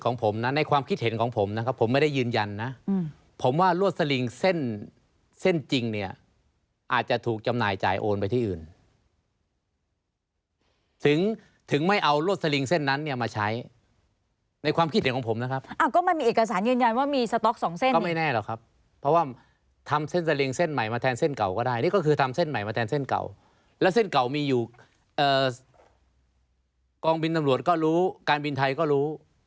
ครับครับครับครับครับครับครับครับครับครับครับครับครับครับครับครับครับครับครับครับครับครับครับครับครับครับครับครับครับครับครับครับครับครับครับครับครับ